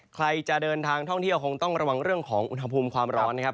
ใครจะเดินทางท่องเที่ยวคงต้องระวังเรื่องของอุณหภูมิความร้อนนะครับ